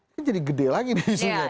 kan jadi gede lagi nih